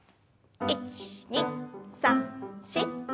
１２３４。